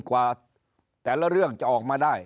กว่าแต่ละเรื่องจะออกมาได้